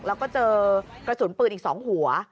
แล้วก็เจอกระสุนปืนอีก๒หัว